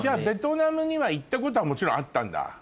ベトナムには行ったことはもちろんあったんだ？